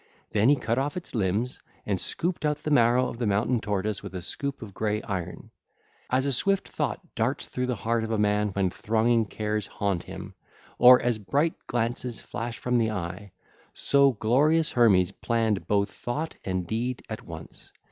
Then he cut off its limbs and scooped out the marrow of the mountain tortoise with a scoop of grey iron. As a swift thought darts through the heart of a man when thronging cares haunt him, or as bright glances flash from the eye, so glorious Hermes planned both thought and deed at once.